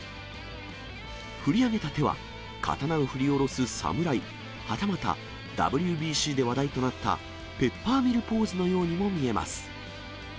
振り上げた手は、刀を振り下ろす侍、はたまたＷＢＣで話題となった、ペッパーミルポーズのようにも見えます。